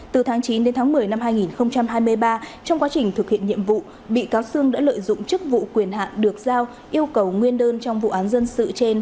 từ tháng chín đến tháng một mươi năm hai nghìn hai mươi ba trong quá trình thực hiện nhiệm vụ bị cáo sương đã lợi dụng chức vụ quyền hạn được giao yêu cầu nguyên đơn trong vụ án dân sự trên